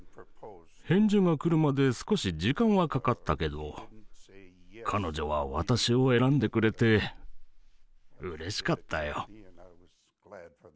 返事が来るまで少し時間はかかったけど彼女は私を選んでくれてうれしかったよ。